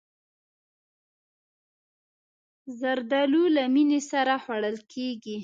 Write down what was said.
زردالو له مینې سره خوړل کېږي.